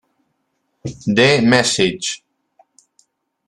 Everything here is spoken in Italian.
The Message